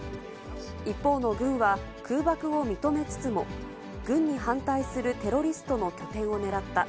一方の軍は、空爆を認めつつも、軍に反対するテロリストの拠点を狙った。